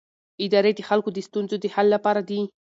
ادارې د خلکو د ستونزو د حل لپاره دي